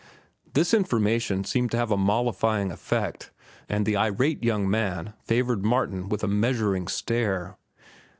This information seemed to have a mollifying effect, and the irate young man favored Martin with a measuring stare.